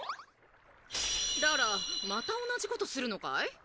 またおなじことするのかい？